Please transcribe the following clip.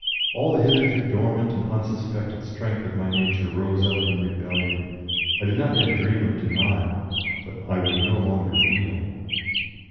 All the hitherto dormant and unsuspected strength of my nature rose up in rebellion; I did not yet dream of denial, but I would no longer kneel.